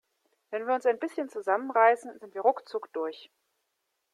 Wenn wir uns ein bisschen zusammen reißen, sind wir ruckzuck durch.